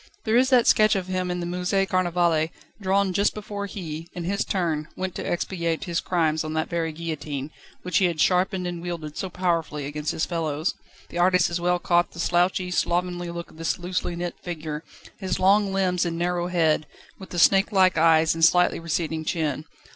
There is that sketch of him in the Musée Carnavalet, drawn just before he, in his turn, went to expiate his crimes on that very guillotine, which he had sharpened and wielded so powerfully against his fellows. The artist has well caught the slouchy, slovenly look of his loosely knit figure, his long limbs and narrow head, with the snakelike eyes and slightly receding chin.